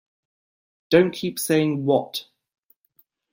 Don't keep saying, 'What?'